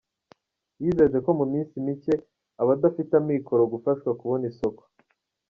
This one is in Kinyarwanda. Yizeje ko mu minsi mike abadafite amikoro gufashwa kubona isakaro.